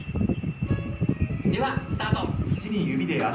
ではスタート！